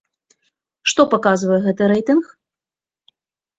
Што паказвае гэты рэйтынг?